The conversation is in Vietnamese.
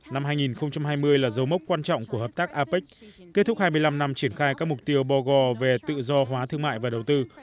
năm hai nghìn hai mươi là dấu mốc quan trọng của hợp tác apec kết thúc hai mươi năm năm triển khai các mục tiêu bò gò về tự do hóa thương mại và đầu tư